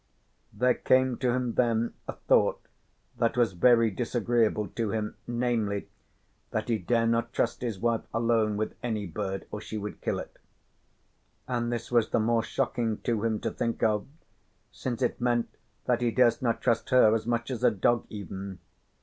There came to him then a thought that was very disagreeable to him, namely, that he dare not trust his wife alone with any bird or she would kill it. And this was the more shocking to him to think of since it meant that he durst not trust her as much as a dog even.